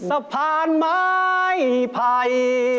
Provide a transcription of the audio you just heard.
สะพานไม้ไผ่